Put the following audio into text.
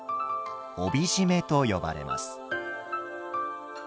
帯締めと呼ばれます。